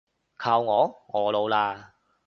靠我，我老喇